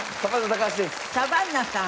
サバンナさん。